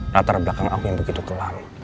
latar belakang aku yang begitu kelam